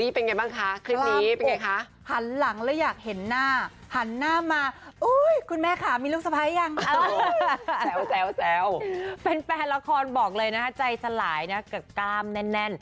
แฟนละครบอกเลยนะใจสลายนะกับกล้ามแน่น